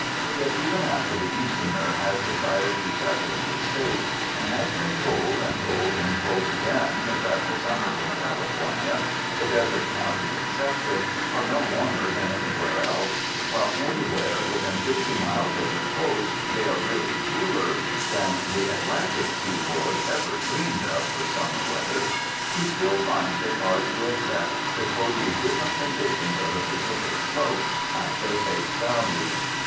Yet even after the Easterner has decided to settle in the State, and has been told and told and told again that the summers in California— the desert counties excepted — are no warmer than an^^where else, while anywhere within fifty miles of the coast they are really cooler than the Atlantic seaboard ever dreamed of for summer weather, he still finds it hard to accept the totally different conditions of the Pacific Slope at their face value.